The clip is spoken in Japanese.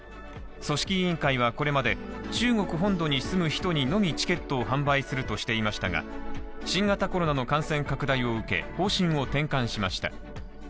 組織委員会はこれまで中国本土に住む人にのみチケットを販売するとしていましたが新型コロナの感染拡大を受け、方針を転換しました。